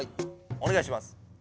おねがいします！